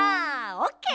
オッケー！